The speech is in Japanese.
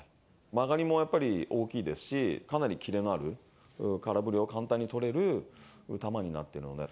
曲がりもやっぱり大きいですし、かなりキレのある空振りを簡単に取れる球になってるので。